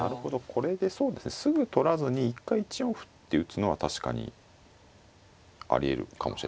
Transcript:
これでそうですねすぐ取らずに一回１四歩って打つのは確かにありえるかもしれませんね。